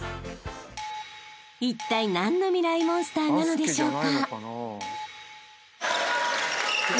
［いったい何のミライ☆モンスターなのでしょうか？］